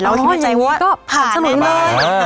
อ๋ออย่างนี้ก็ผ่านสนุกเลย